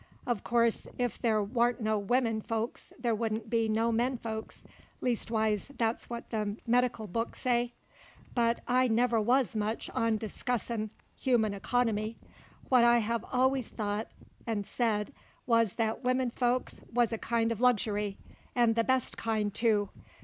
Uv course if there warn't no wimmin folks there wouldn't be no men folks leastwise that's what the medikil books say. But I never wuz much on discussin' humin economy; what I hev allus thought 'nd said wuz that wimmin folks wuz a kind uv luxury, 'nd the best kind, too.